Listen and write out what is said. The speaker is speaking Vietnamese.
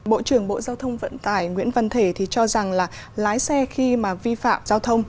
bộ trưởng bộ giao thông vận tải nguyễn văn thể thì cho rằng là lái xe khi mà vi phạm giao thông